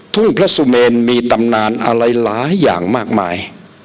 พระสุเมนมีตำนานอะไรหลายอย่างมากมาย